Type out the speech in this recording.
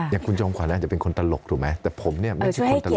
อย่างคุณจอมขวัญอาจจะเป็นคนตลกถูกไหมแต่ผมเนี่ยไม่ใช่คนตลก